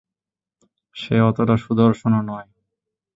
সে অতোটা সুদর্শনও নয়!